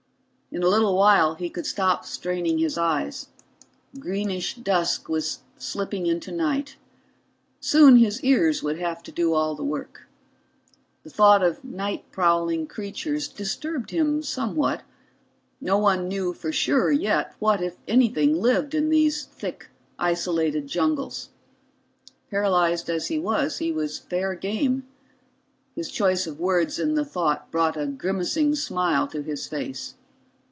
In a little while he could stop straining his eyes. Greenish dusk was slipping into night. Soon his ears would have to do all the work. The thought of night prowling creatures disturbed him somewhat; no one knew for sure yet what, if anything, lived in these thick, isolated jungles. Paralyzed as he was, he was fair game his choice of words in the thought brought a grimacing smile to his face.